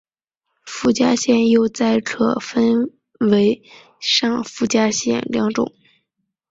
附加线又再可分为上附加线两种。